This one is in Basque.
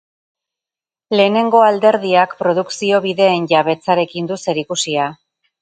Lehenengo alderdiak produkzio bideen jabetzarekin du zerikusia.